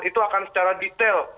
itu akan secara detail